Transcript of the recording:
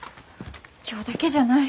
今日だけじゃない。